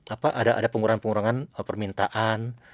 apa ada pengurangan pengurangan permintaan